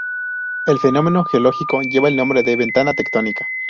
El fenómeno geológico lleva el nombre de ventana tectónica.